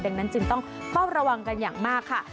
ดังนั้นจึงต้องเฝ้าระวังกันอย่างมากค่ะ